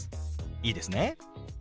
いいですね？